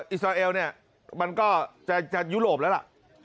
อิสราเอลเนี่ยมันก็จะยุโรปแล้วล่ะ